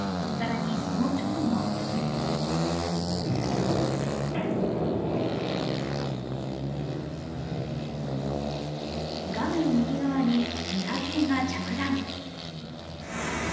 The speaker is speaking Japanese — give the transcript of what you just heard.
更にその直後画面右側に２発目が着弾。